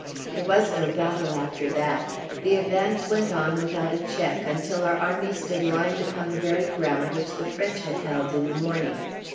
There was no battle after that. The advance went on without a check, until our army stood lined upon the very ground which the French had held in the morning.